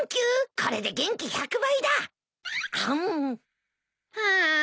これで元気１００倍だ！ハァ。